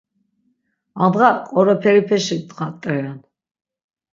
Andğa qoroperipeşi ndğa rt̆eren.